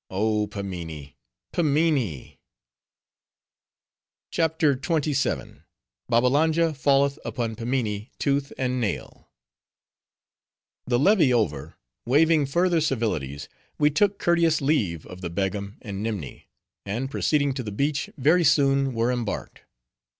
Oh Pimminee, Pimminee!" CHAPTER XXVII. Babbalanja Falleth Upon Pimminee Tooth And Nail The levee over, waiving further civilities, we took courteus leave of the Begum and Nimni, and proceeding to the beach, very soon were embarked.